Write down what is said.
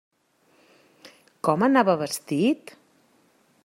Com anava vestit?